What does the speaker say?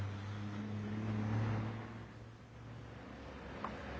うん。